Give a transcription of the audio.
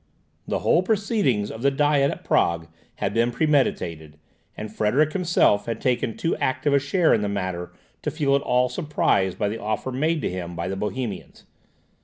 The whole proceedings of the Diet at Prague had been premeditated, and Frederick himself had taken too active a share in the matter to feel at all surprised at the offer made to him by the Bohemians.